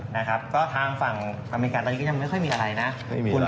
นะครับก็ทางฝั่งอเมริกาตอนนี้ก็ยังไม่ค่อยมีอะไรนะ